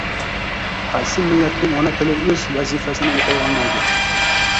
Qaysi millatning ona tili oʻz vazifasini oʻtay olmaydi